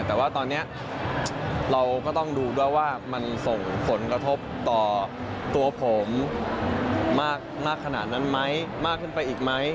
แต่ว่าตอนนี้เราก็ต้องดูด้วยว่ามันส่งผลกระทบต่อตัวผมมากขนาดนั้นไหมมากขึ้นไปอีกไหม